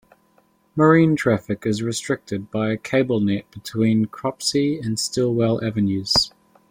Marine traffic is restricted by a cable net between Cropsey and Stillwell Avenues.